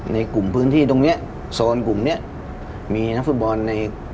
ในกลุ่มพื้นที่ตรงเนี้ยโซนกลุ่มเนี้ยมีนักฟุตบอลใน